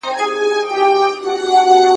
جګړې پیل شوې.